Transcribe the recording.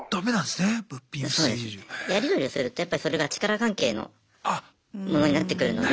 やり取りをするとやっぱそれが力関係のものになってくるので。